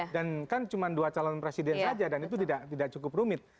dan kan cuma dua calon presiden saja dan itu tidak cukup rumit